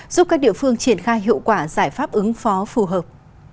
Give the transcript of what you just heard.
giúp các địa phương triển khai hiệu quả giải pháp ứng phó phù hợp